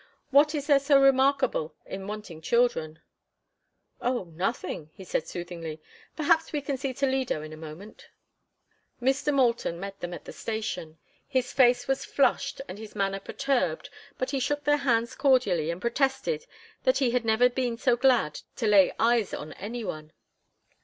What is there so remarkable in wanting children?" "Oh, nothing," he said, soothingly. "Perhaps we can see Toledo in a moment." Mr. Moulton met them at the station. His face was flushed and his manner perturbed, but he shook their hands cordially and protested that he had never been so glad to lay eyes on any one.